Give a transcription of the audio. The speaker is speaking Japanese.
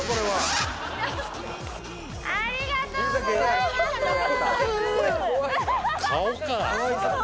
ありがとうございますスー！